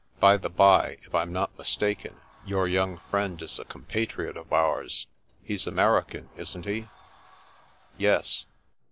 By the by, if I'm not mistaken, your young friend is a compatriot of ours. He's American, isn't he ?"" Yes."